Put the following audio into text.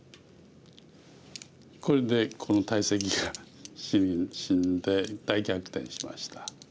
これでこの大石が死んで大逆転しました。